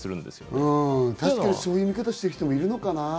確かにそういう見方をしてる人もいるのかな？